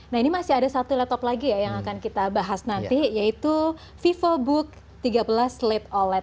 nah ini masih ada satu laptop lagi ya yang akan kita bahas nanti yaitu vivobook tiga belas late oled